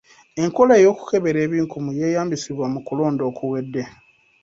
Enkola ey'okukebera ebinkumu yeeyambisibwa mu kulonda okuwedde.